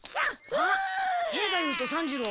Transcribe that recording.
あっ兵太夫と三治郎。